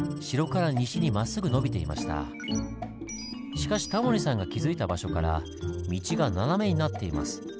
しかしタモリさんが気付いた場所から道が斜めになっています。